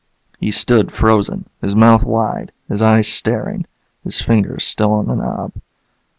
He stood frozen, his mouth wide, his eyes staring, his fingers still on the knob.